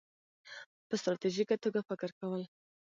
-په ستراتیژیکه توګه فکر کول